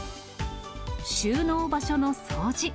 収納場所の掃除。